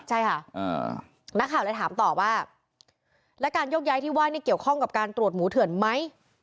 ใช่ค่ะนักข่าวเลยถามต่อว่าแล้วการยกย้ายที่ว่านี่เกี่ยวข้องกับการตรวจหมูเถื่อนไหม